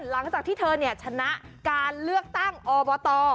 หลังจากที่เธอชนะการเลือกตั้งอบต